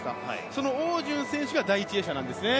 その汪順選手が第一泳者なんですね。